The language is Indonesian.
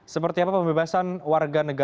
seperti apa pembebasan warga negara